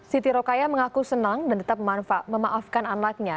siti rokaya mengaku senang dan tetap memaafkan anaknya